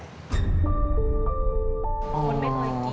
อ๋อก็เจ๊งอีก